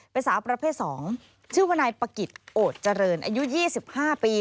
เป็นสาวประเภท๒ชื่อว่านายปะกิจโอดเจริญอายุ๒๕ปี